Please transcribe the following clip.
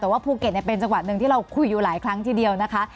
แต่ว่าภูเก็ตเป็นจังหวะหนึ่งที่เราคุยอยู่หลายครั้งทีเดียวนะคะ